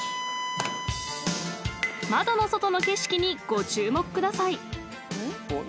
［窓の外の景色にご注目ください］